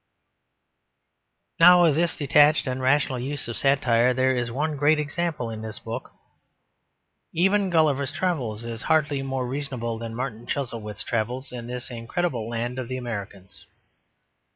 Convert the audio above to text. Now of this detached and rational use of satire there is one great example in this book. Even Gulliver's Travels is hardly more reasonable than Martin Chuzzlewit's travels in the incredible land of the Americans.